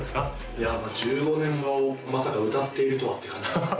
いや１５年もまさか歌っているとはって感じですね